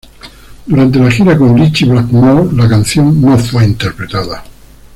Durante la gira con Ritchie Blackmore, la canción no fue interpretada.